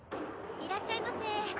いらっしゃいませ。